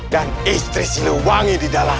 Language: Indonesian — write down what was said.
dan istri ciluwangi di dalam